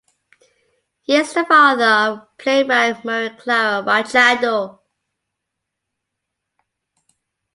He is the father of playwright Maria Clara Machado.